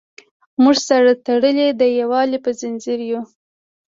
موږ سره تړلي د یووالي په زنځیر یو.